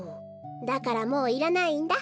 だからもういらないんだ。